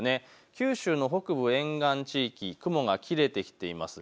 九州の北部、沿岸地域、雲が切れてきています。